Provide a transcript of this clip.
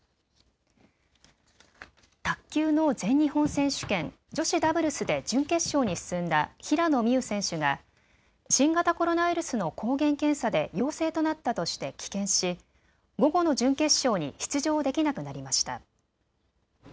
卓球の全日本選手権女子ダブルスで準決勝に進んだ平野美宇選手が新型コロナウイルスの抗原検査で陽性となったとして棄権し、午後の準決勝に出場できなくなりました。